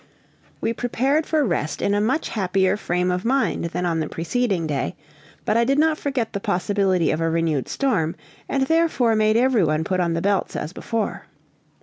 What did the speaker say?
We prepared for rest in a much happier frame of mind than on the preceding day, but I did not forget the possibility of a renewed storm, and therefore made every one put on the belts as before.